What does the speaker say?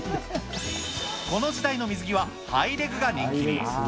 この時代の水着はハイレグが人気に。